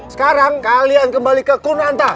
sekarang kalian kembali ke kunanta